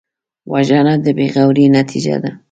وژنه د بېغورۍ نتیجه ده